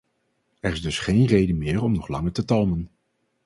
Er is dus geen reden meer om nog langer te talmen.